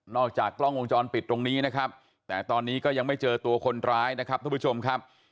จากกล้องวงจรปิดตรงนี้นะครับแต่ตอนนี้ก็ยังไม่เจอตัวคนร้ายนะครับทุกผู้ชมครับ